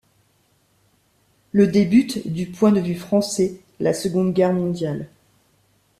Le débute, du point de vue français, la Seconde Guerre mondiale.